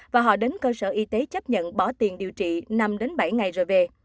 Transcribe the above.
và họ đến cơ sở y tế chấp nhận bỏ tiền điều trị năm bảy ngày rồi về